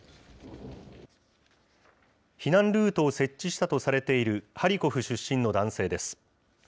避難ルートを設置したとされているハリコフ出身の男性です。